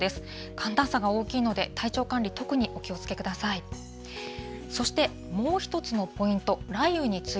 寒暖差が大きいので、体調管理、特にお気をつけください。